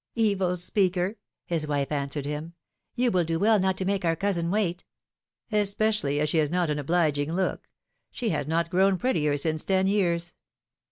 ^^ Evil speaker ! his wife answered him ; you will do well not to make our cousin wait." Especially as she has not an obliging look. She has not grown prettier since ten years."